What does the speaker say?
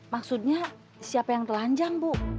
maksudnya siapa yang telanjang bu